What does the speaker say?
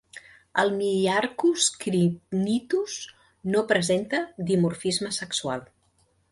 El myiarchus crinitus no presenta dimorfisme sexual.